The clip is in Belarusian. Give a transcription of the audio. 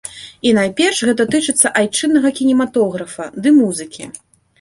І найперш гэта тычыцца айчыннага кінематографа ды музыкі.